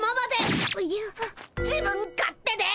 自分勝手で。